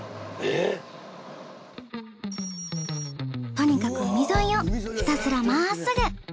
とにかく海沿いをひたすらまっすぐ。